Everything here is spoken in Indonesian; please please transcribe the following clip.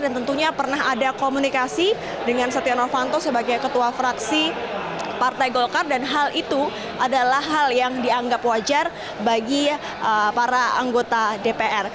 dan tentunya pernah ada komunikasi dengan setia novanto sebagai ketua fraksi partai golkar dan hal itu adalah hal yang dianggap wajar bagi para anggota dpr